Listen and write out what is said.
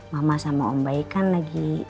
mama sama om baik kan lagi